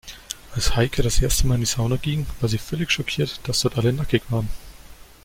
Als Heike das erste Mal in die Sauna ging, war sie völlig schockiert, dass dort alle nackig waren.